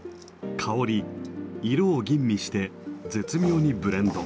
香り色を吟味して絶妙にブレンド。